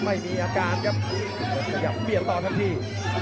ไม่มีอาการครับสยับเปรียบต่อทั้งที่